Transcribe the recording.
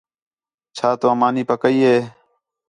چَھا تُو مانی پَکَئی ہے